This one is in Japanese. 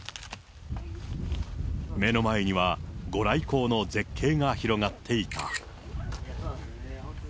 目の前にはご来光の絶景が広がっていた。